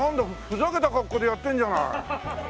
ふざけた格好でやってるんじゃない。